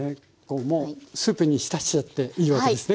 スープに浸しちゃっていいわけですね。